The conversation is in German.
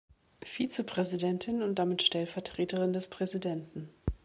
Vizepräsidentin und damit Stellvertreterin des Präsidenten.